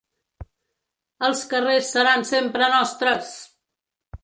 Els carrers seran sempre nostres!